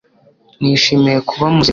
Nishimiye kuba muzima